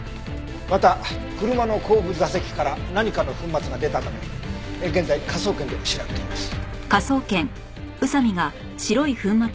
また車の後部座席から何かの粉末が出たため現在科捜研で調べています。